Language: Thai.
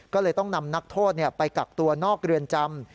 ก็เลยต้องนำนักโทษไปกักตัวนอกเรือนจำ